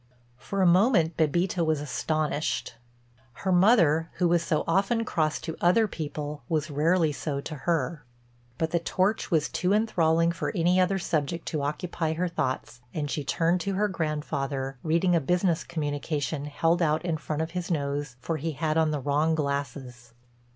For a moment Bébita was astonished. Her mother, who was so often cross to other people, was rarely so to her. But the torch was too enthralling for any other subject to occupy her thoughts and she turned to her grandfather, reading a business communication held out in front of his nose for he had on the wrong glasses.